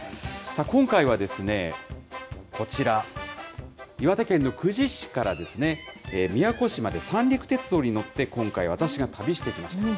今回はこちら、岩手県の久慈市から宮古市まで三陸鉄道に乗って今回、私が旅してきました。